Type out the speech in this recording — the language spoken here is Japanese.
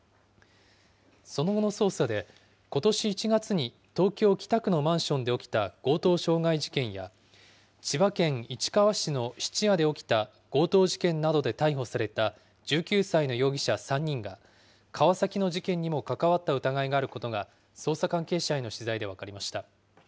その後の捜査で、ことし１月に東京・北区のマンションで起きた強盗傷害事件や、千葉県市川市の質屋で起きた強盗事件などで逮捕された１９歳の容疑者３人が、川崎の事件にも関わった疑いがあることが、捜査関係者への取材で分かりました。